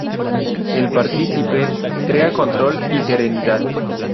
El "participe" crea control y serenidad.